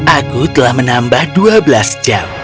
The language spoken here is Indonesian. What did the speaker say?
aku telah menambah dua belas jam